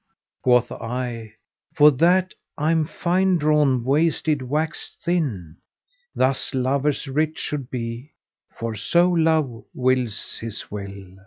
Quoth I, 'for that I'm fine drawn wasted, waxed thin, * Thus lovers' writ Should be, for so Love wills his will.